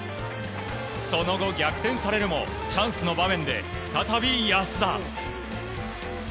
その後、逆転されるもチャンスの場面で再び安田。